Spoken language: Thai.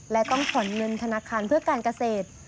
และต้องผ่อนเงินธนาคารเพื่อการเกษตร